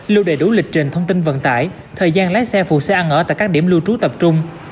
lưu đầy đủ lịch trình thông tin vận tải thời gian lái xe phụ xe ăn ở tại các điểm lưu trú tập trung